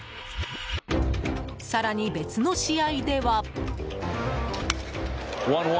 更に別の試合では。